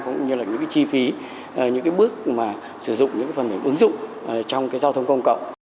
cũng như là những chi phí những bước sử dụng những phần mềm ứng dụng trong giao thông công cộng